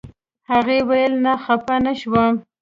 هغې ویل نه خپه نه شوم.